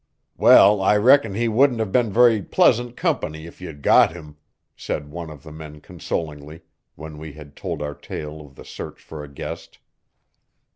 "Well, I reckon he wouldn't have been very pleasant company if you'd got him," said one of the men consolingly, when we had told our tale of the search for a guest.